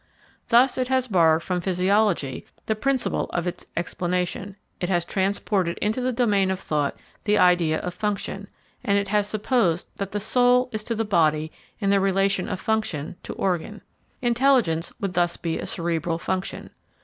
Thus, it has borrowed from physiology the principle of its explanation, it has transported into the domain of thought the idea of function, and it has supposed that the soul is to the body in the relation of function to organ. Intelligence would thus be a cerebral function.